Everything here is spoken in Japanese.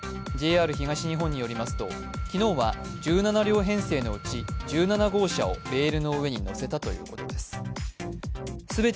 ＪＲ東日本によりますと、昨日は１７両編成のうち１７号車をレールの上に乗せたということです。